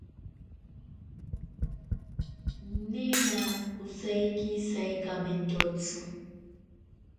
Nena osaiki saikamentotsi.